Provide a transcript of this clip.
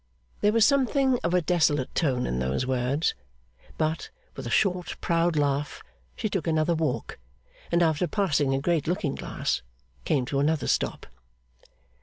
There was something of a desolate tone in those words; but, with a short proud laugh she took another walk, and after passing a great looking glass came to another stop.